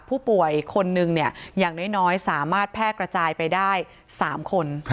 ผู้ป่วยคนนึงอย่างน้อยสามารถแพร่กระจายไปได้๓คน